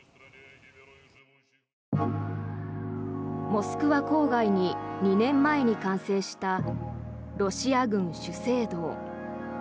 モスクワ郊外に２年前に完成したロシア軍主聖堂。